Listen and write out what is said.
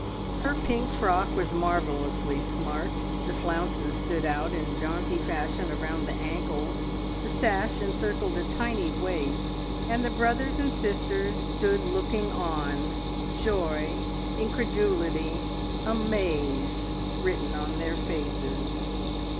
Her pink frock was marvellously smart, the flounces stood out in jaunty fashion around the ankles, the sash encircled a tiny waist, and the brothers and sisters stood looking on, joy, incredulity, amaze written upon their faces.